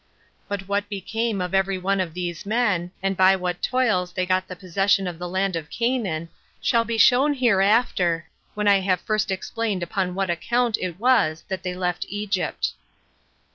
But what became of every one of these men, and by what toils they got the possession of the land of Canaan, shall be shown hereafter, when I have first explained upon what account it was that they left Egypt.